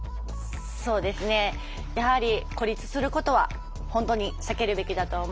そうですねやはり孤立することは本当に避けるべきだと思います。